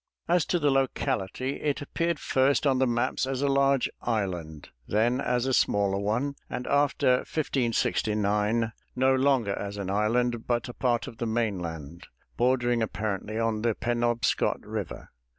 As to the locality, it appeared first on the maps as a large island, then as a smaller one, and after 1569 no longer as an island, but a part of the mainland, bordering apparently on the Penobscot River.